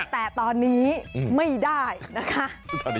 แต่ตอนนี้ไม่ได้นะคะ